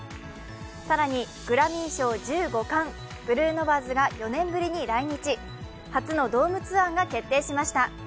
更にグラミー賞１５冠、ブルーノ・マーズが４年ぶりに来日、初のドームツアーが決定しました。